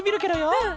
うん。